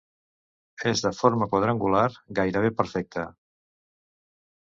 És de forma quadrangular, gairebé perfecta.